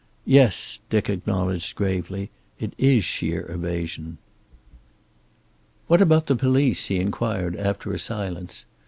"Yes," Dick acknowledged gravely. "It is sheer evasion." "What about the police?" he inquired after a silence.